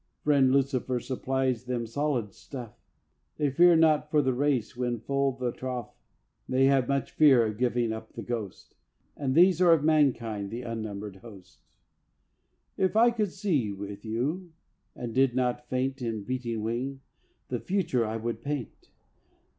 Friend Lucifer supplies them solid stuff: They fear not for the race when full the trough. They have much fear of giving up the ghost; And these are of mankind the unnumbered host. If I could see with you, and did not faint In beating wing, the future I would paint.